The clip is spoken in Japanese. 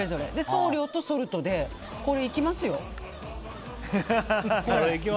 送料とソルトで、いきますよ。